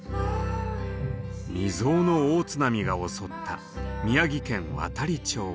未曽有の大津波が襲った宮城県亘理町。